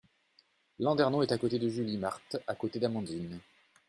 Landernau est à côté de Julie, Marthe à côté d’Amandine.